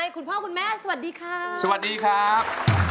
คุณพ่อคุณแม่สวัสดีค่ะสวัสดีครับ